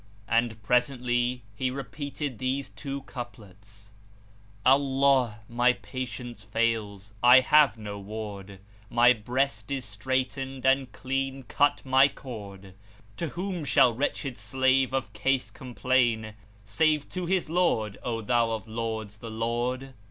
And presently he repeated these two couplets, "Allah, my patience fails: I have no ward; * My breast is straitened and clean cut my cord; To whom shall wretched slave of case complain * Save to his Lord? O thou of lords the Lord!"